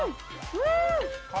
うん！